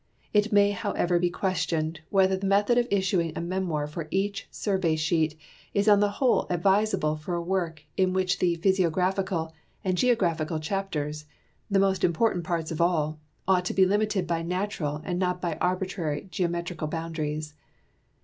It may, however, be questioned whether the method of issuing a memoir for each survey sheet is on the whole advisable for a work in which the physiographical and geographical chapters, the most important parts of all, ought to be limited by natural and not by arbitrary geometrical boundaries.